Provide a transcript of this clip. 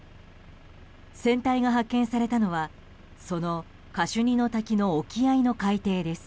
船体が発見されたのはそのカシュニの滝の沖合の海底です。